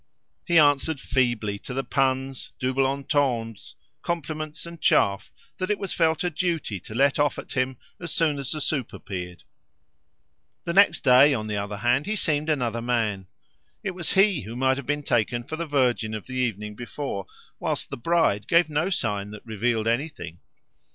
He answered feebly to the puns, doubles entendres, compliments, and chaff that it was felt a duty to let off at him as soon as the soup appeared. Double meanings. The next day, on the other hand, he seemed another man. It was he who might rather have been taken for the virgin of the evening before, whilst the bride gave no sign that revealed anything.